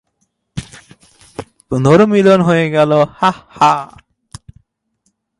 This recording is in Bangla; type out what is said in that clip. পুনর্মিলন হয়ে গেল, হাহ?